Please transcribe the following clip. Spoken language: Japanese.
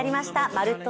「まるっと！